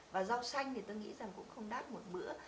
và rau xanh thì tôi nghĩ rằng cũng không đáp một bữa